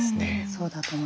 そうだと思います。